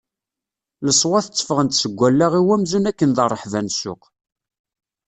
Leṣwat tteffɣen-d seg wallaɣ-iw amzun akken d rreḥba n ssuq.